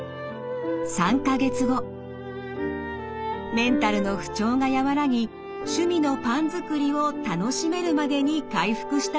メンタルの不調が和らぎ趣味のパン作りを楽しめるまでに回復したそうです。